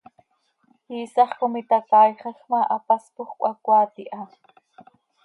Iisax com itacaaixaj ma, hapaspoj cöhacoaat iha.